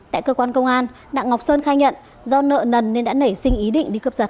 tại cơ quan công an đặng ngọc sơn khai nhận do nợ nần nên đã nảy sinh ý định đi cướp giật